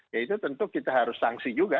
ya itu tentu kita harus sanksi juga